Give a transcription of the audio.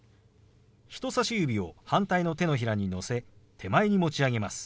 人さし指を反対の手のひらにのせ手前に持ち上げます。